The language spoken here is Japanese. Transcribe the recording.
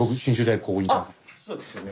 あっそうですよね。